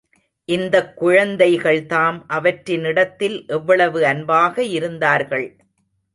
இந்தக் குழந்தைகள்தாம் அவற்றினிடத்தில் எவ்வளவு அன்பாக இருந்தார்கள்!